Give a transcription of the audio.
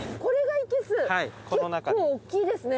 結構おっきいですね。